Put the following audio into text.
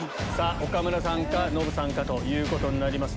岡村さんかノブさんかということになります。